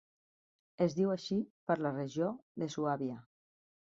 Es diu així per la regió de Suàbia.